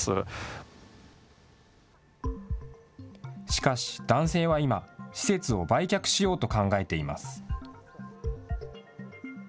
しかし、男性は今、施設を売却しようと考えています。